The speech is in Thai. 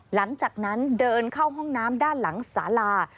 หลังจากนั้นเดินเข้าห้องน้ำด้านหลังสาลา